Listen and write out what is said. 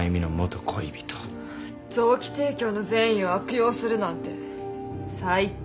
臓器提供の善意を悪用するなんて最低。